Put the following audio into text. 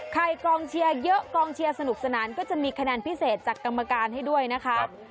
กองเชียร์เยอะกองเชียร์สนุกสนานก็จะมีคะแนนพิเศษจากกรรมการให้ด้วยนะคะ